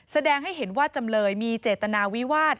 แสดงให้เห็นว่าจำเลยมีเจตนาวิวาส